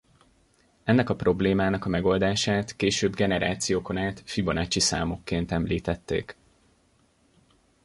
Ennek a problémának a megoldását később generációkon át Fibonacci-számokként említették.